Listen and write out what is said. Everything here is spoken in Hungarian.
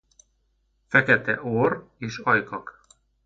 Fekete orr és ajkak.